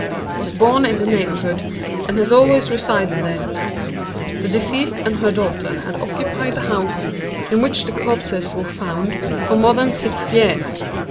Was born in the neighborhood, and has always resided there. The deceased and her daughter had occupied the house in which the corpses were found, for more than six years.